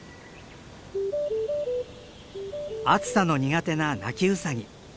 暑さの苦手なナキウサギ。